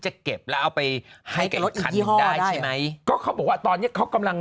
จะเก็บแล้วเอาไปให้ได้ใช่ไหมก็เขาบอกว่าตอนนี้เขากำลัง